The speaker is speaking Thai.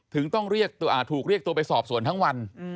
ถึงต้องเรียกตัวอ่าถูกเรียกตัวไปสอบส่วนทั้งวัน